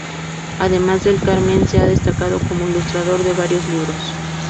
Además, Del Carmen se ha destacado como ilustrador de varios libros.